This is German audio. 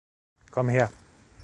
Komm her.